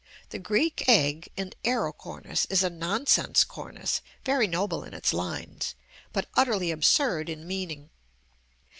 The Greek egg and arrow cornice is a nonsense cornice, very noble in its lines, but utterly absurd in meaning.